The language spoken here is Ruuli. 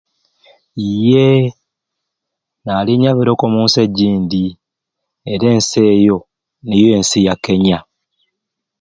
Iyee nali nyabireku omu nsi egindi era ensi eyo niyo nsi eya Kenya.